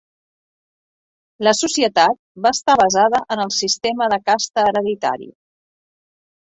La societat va estar basada en el sistema de casta hereditari.